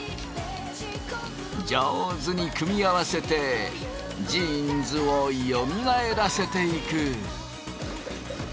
上手に組み合わせてジーンズをよみがえらせていく。